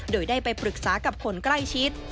โดยได้ไปปรึกษากับคนใกล้ชิด